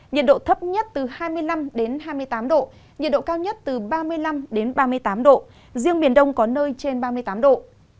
nhiệt độ thấp nhất từ hai mươi năm hai mươi tám độ nhiệt độ cao nhất từ ba mươi năm ba mươi tám độ riêng miền đông có nơi trên ba mươi tám độ